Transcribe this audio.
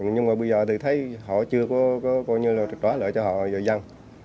nhưng mà bây giờ thì thấy họ chưa có đoán lợi cho họ cho dân